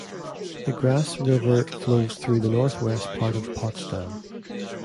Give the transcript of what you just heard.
The Grasse River flows through the northwest part of Potsdam.